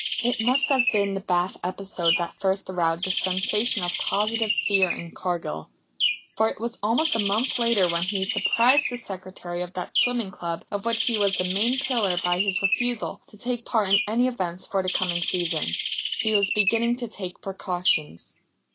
It must have been the bath episode that first aroused the sensation of positive fear in Cargill. For it was almost a month later when he surprised the secretary of that swimming club of which he was the main pillar by his refusal to take part in any events for the coming season. He was beginning to take precautions.